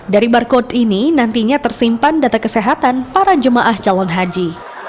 dari barcode ini nantinya tersimpan data kesehatan para jemaah calon haji